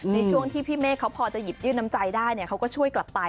ในช่วงที่พี่เมฆเขาพอจะหยิบยื่นน้ำใจได้เขาก็ช่วยกลับไป